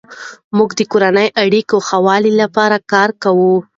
مور د کورنیو اړیکو ښه والي لپاره کار کوي.